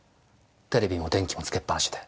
テレビも電気も点けっぱなしで。